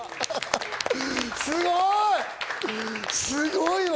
すごい！